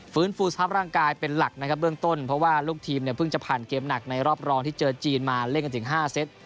ฟื้นฟูสภาพร่างกายเป็นหลักนะครับเบื้องต้นเพราะว่าลูกทีมเนี่ยเพิ่งจะผ่านเกมหนักในรอบรองที่เจอจีนมาเล่นกันถึง๕เซต